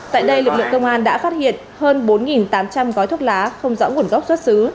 tại đây lực lượng công an đã phát hiện hơn bốn tám trăm linh gói thuốc lá không rõ nguồn gốc xuất xứ